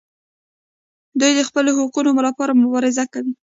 دوی د خپلو حقونو لپاره مبارزه کوي.